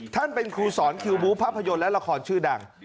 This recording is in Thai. ท่านเป็นครูสอนคิวบู๊ภาพยนตร์และละครชื่อดัง